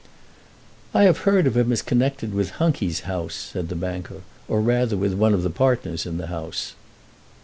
"I have heard of him as connected with Hunky's house," said the banker, "or rather with one of the partners in the house."